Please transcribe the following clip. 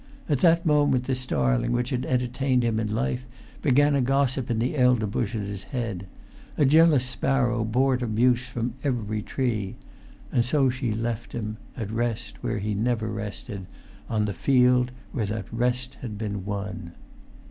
At that moment the starling which had entertained him in life began a gossip in the elderbush at his head; a jealous sparrow poured abuse from every tree; and so she left him, at rest where he never rested, on the field where that rest had been won.